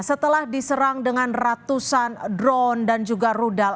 setelah diserang dengan ratusan drone dan juga rudal